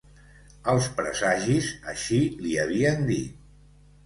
Els presagis així l'hi havien dit.